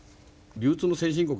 流通の先進国